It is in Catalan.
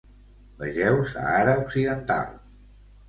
Vegeu Sàhara Occidental.